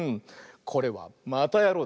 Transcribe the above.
これは「またやろう！」